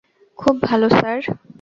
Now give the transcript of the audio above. খুব ভাল, স্যার।